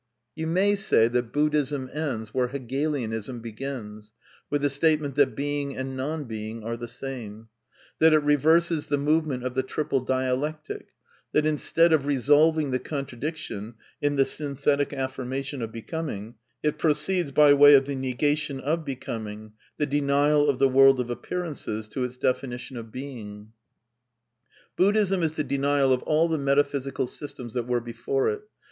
You may say that Buddhism ends where Hegelianism begins, with the statement that Being and non Being are the same; that it reverses the movement of the Triple Dialectic ; that, instead of resolving the contradiction in the synthetic affirmation of Becoming, it proceeds by way of the negation of Becoming, the denial of the world of ap pearances, to its definition of Being. Buddhism is the denial of all the metaphysical systems that were before it.